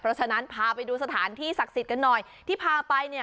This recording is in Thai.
เพราะฉะนั้นพาไปดูสถานที่ศักดิ์สิทธิ์กันหน่อยที่พาไปเนี่ย